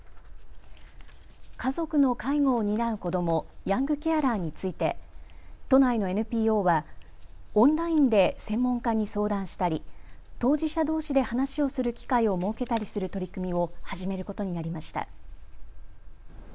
家族の介護を担う子ども、ヤングケアラーについて都内のＮＰＯはオンラインで専門家に相談したり当事者どうしで話をする機会を設けたりする取り組みを始めることになりました。